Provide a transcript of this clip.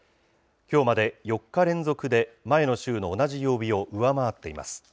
きょうまで４日連続で、前の週の同じ曜日を上回っています。